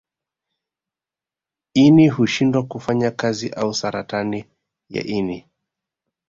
Ini hushindwa kufanya kazi au saratani ya ini